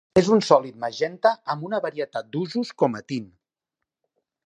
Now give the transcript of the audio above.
És un sòlid magenta amb una varietat d'usos com a tint.